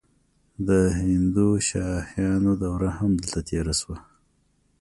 د هندوشاهیانو دوره هم دلته تیره شوې